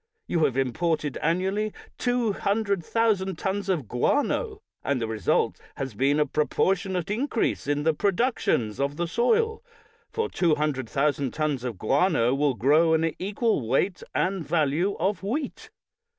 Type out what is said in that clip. You have imported annually 200, 000 tons of guano, and the result has been a pro portionate increase in the productions of the soil, for 200,000 tons of guano will grow an equal weight and value of wheat.